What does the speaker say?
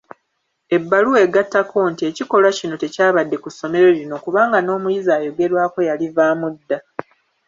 Ebbaluwa egattako nti, ekikolwa kino tekyabadde ku ssomero lino kubanga n'omuyizi ayogerwako yalivaamu dda.